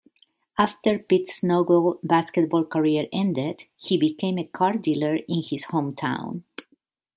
After Pittsnogle's basketball career ended, he became a car dealer in his hometown.